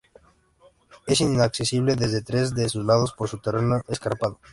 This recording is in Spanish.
Es inaccesible desde tres de sus lados por su terreno escarpado.